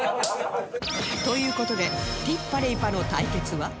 という事でティッパレイパの対決は